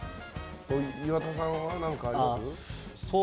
岩田さんは何かあります？